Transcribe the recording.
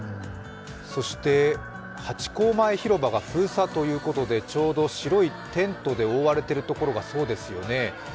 そして、ハチ公前広場が封鎖ということでちょうど白いテントで覆われているところがそうですよね。